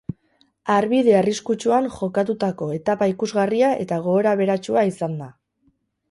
Harbide arriskutsuan jokatutako etapa ikusgarria eta gorabeheratsua izan da.